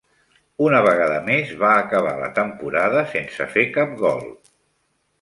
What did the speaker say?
Una vegada més, va acabar la temporada sense fer cap gol.